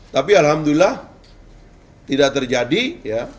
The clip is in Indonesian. tapi alhamdulillah tidak terjadi ya